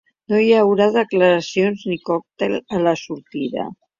No hi haurà declaracions ni còctel a la sortida.